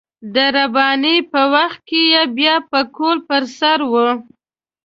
د رباني په وخت کې يې بيا پکول پر سر و.